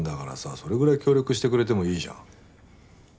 それぐらい協力してくれてもいいじゃん。